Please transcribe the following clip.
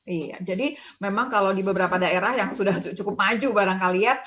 iya jadi memang kalau di beberapa daerah yang sudah cukup maju barangkali ya